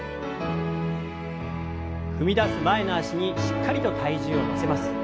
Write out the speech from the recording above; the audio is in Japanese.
踏み出す前の脚にしっかりと体重を乗せます。